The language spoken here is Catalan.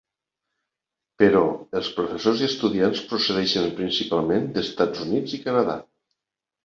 Però els professors i estudiants procedeixen principalment d'Estats Units i Canadà.